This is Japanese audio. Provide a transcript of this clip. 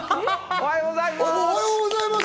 おはようございます。